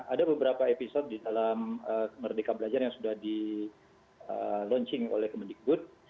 ada beberapa episode di dalam merdeka belajar yang sudah di launching oleh kemendikbud